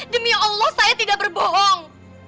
demi allah saya tidak berbohong